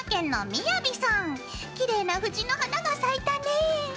きれいな藤の花が咲いたね！